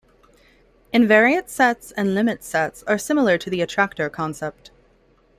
Invariant sets and limit sets are similar to the attractor concept.